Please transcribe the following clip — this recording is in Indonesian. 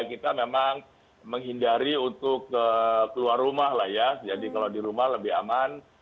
kita memang menghindari untuk keluar rumah lah ya jadi kalau di rumah lebih aman